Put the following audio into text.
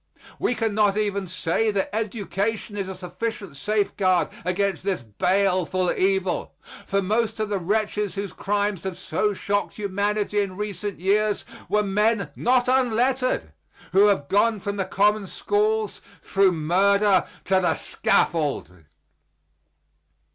We can not even say that education is a sufficient safeguard against this baleful evil, for most of the wretches whose crimes have so shocked humanity in recent years were men not unlettered, who have gone from the common schools, through murder to the scaffold.